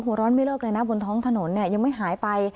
หัวร้อนไม่เลิกเลยนะบนท้องถนนเนี่ยยังไม่หายไป